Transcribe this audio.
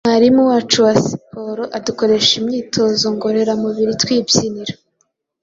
mwarimu wacu wa siporo, adukoresha imyitozo ngororamubiri twibyinira.